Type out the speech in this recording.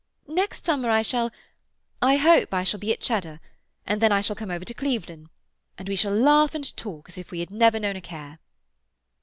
Next summer I shall—I hope I shall be at Cheddar, and then I shall come over to Clevedon—and we shall laugh and talk as if we had never known a care."